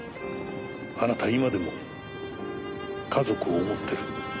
あなたは今でも家族を思ってる。